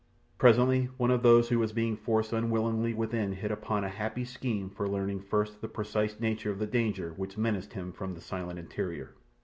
Presently one of those who was being forced unwillingly within hit upon a happy scheme for learning first the precise nature of the danger which menaced him from the silent interior.